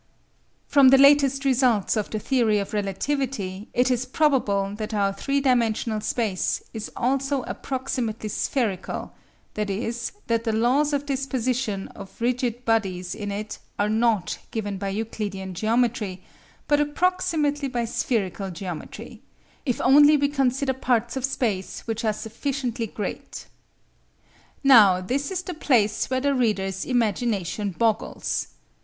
From the latest results of the theory of relativity it is probable that our three dimensional space is also approximately spherical, that is, that the laws of disposition of rigid bodies in it are not given by Euclidean geometry, but approximately by spherical geometry, if only we consider parts of space which are sufficiently great. Now this is the place where the reader's imagination boggles.